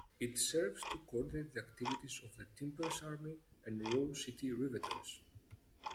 It serves to coordinate the activities of the Timbers Army and Rose City Riveters.